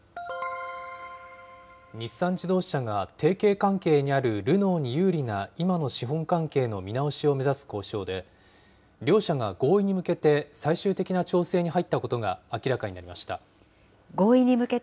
日産自動車が提携関係にあるルノーに有利な今の資本関係の見直しを目指す交渉で、両社が合意に向けて最終的な調整に入ったことが明らかになりました。